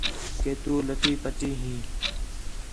کہ تو لٹی پٹی ہیں